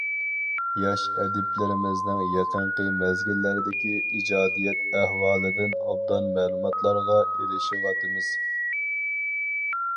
ياش ئەدىبلىرىمىزنىڭ يېقىنقى مەزگىللەردىكى ئىجادىيەت ئەھۋالىدىن ئوبدان مەلۇماتلارغا ئېرىشىۋاتىمىز.